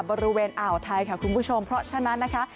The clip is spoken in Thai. บริเวณอ่าวไทยค่ะคุณผู้ชมเพราะฉะนั้นนะคะ